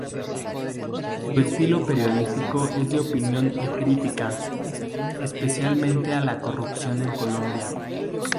Su estilo periodístico es de opinión y crítica, especialmente a la corrupción en Colombia.